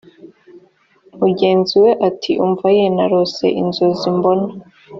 mugenzi we ati umva ye narose inzozi mbona